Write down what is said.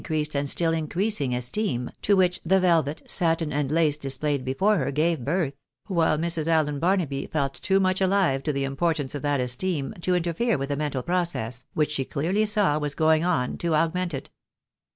creased and still increasing esteem, to wliich the velvet, satin, and lace displayed before lier, gave birth ; while Mrs. Allen Barnaby felt too much alive to the importance of that esteem, to interfere with the mental process, which she clearly saw was going on, to augment it.